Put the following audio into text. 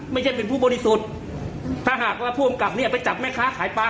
ไม่ใช่เป็นผู้บริสุทธิ์ถ้าหากว่าผู้กำกับเนี่ยไปจับแม่ค้าขายปลา